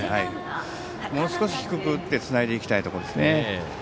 もう少し、低く打ってつなげていきたいところですね。